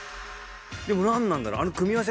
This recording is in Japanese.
でも何なんだろう？